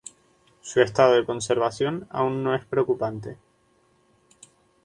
Su estado de conservación aún no es preocupante.